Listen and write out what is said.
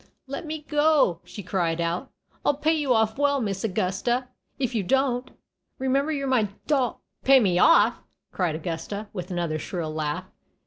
"Let me go!" she cried out; "I'll pay you off well, Miss Augusta, if you don't. Remember, you're my doll " "Pay me off!" cried Augusta, with another shrill laugh.